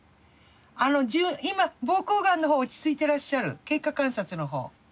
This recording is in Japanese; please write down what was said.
あの今膀胱がんのほうは落ち着いてらっしゃる経過観察のほう。